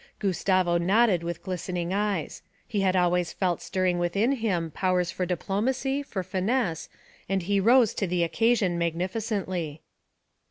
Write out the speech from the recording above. Gustavo nodded with glistening eyes. He had always felt stirring within him powers for diplomacy, for finesse, and he rose to the occasion magnificently.